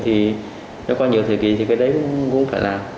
thì nó qua nhiều thời kỳ thì cái đấy cũng phải làm